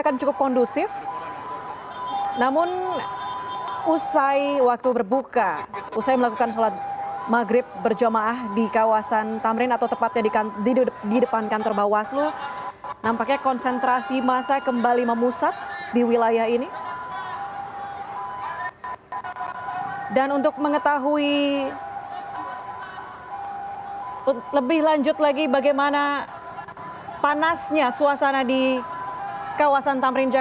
yang anda dengar saat ini sepertinya adalah ajakan untuk berjuang bersama kita untuk keadilan dan kebenaran saudara saudara